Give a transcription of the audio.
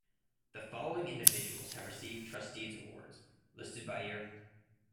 The following individuals have received Trustees Awards, listed by year.